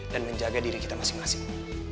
dan menjaga diri kita masing masing